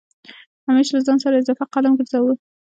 همېش له ځان سره اضافه قلم ګرځوه